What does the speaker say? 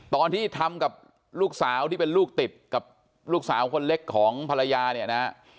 ตอนที่ทำกับลูกสาวที่เป็นลูกติดกับลูกสาวคนเล็กของภรรยาเนี่ยนะ